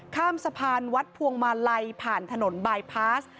ข้ามสะพานวัดพวงมาลัยผ่านถนนบายพาส